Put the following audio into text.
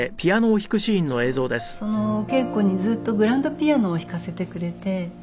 そのお稽古にずっとグランドピアノを弾かせてくれて。